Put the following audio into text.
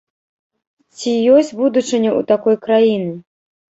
Ці ёсць будучыня ў такой краіны?